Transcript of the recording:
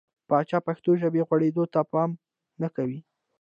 پاچا پښتو ژبې غوړېدو ته پام نه کوي .